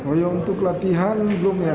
oh ya untuk latihan belum ya